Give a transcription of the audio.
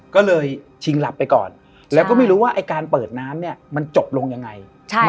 ก็เลยชิงหลับไปก่อนแล้วก็ไม่รู้ว่าไอ้การเปิดน้ำเนี่ยมันจบลงยังไง